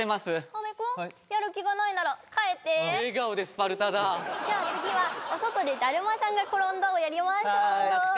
阿部君やる気がないなら帰って笑顔でスパルタだじゃあ次はお外でだるまさんがころんだをやりましょう懐かしいですね